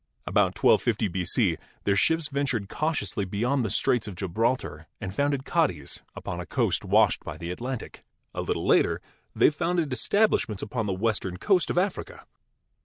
About 1250 B.C. their ships ventured cautiously beyond the Straits of Gibraltar and founded Cadiz upon a coast washed by the Atlantic. A little later they founded establishments upon the western coast of Africa.